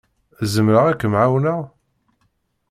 Zemreɣ ad kem-ɛawneɣ?